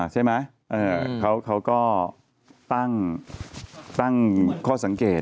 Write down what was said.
ใช่ไหมเขาก็ตั้งข้อสังเกต